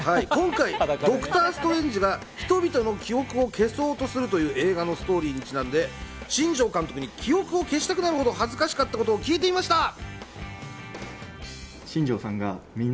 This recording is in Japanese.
今回、ドクター・ストレンジが人々の記憶を消そうとするという映画のストーリーにちなんで新庄監督に記憶を消したくなるほど恥ずかしかった事を聞いてみました。